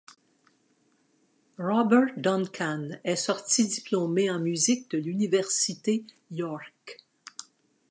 Robert Duncan est sorti diplômé en musique de l'université York.